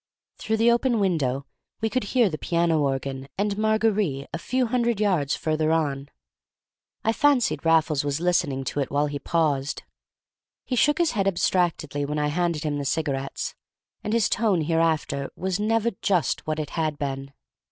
Through the open window we could hear the piano organ and "Mar—gar—rì" a few hundred yards further on. I fancied Raffles was listening to it while he paused. He shook his head abstractedly when I handed him the cigarettes; and his tone hereafter was never just what it had been.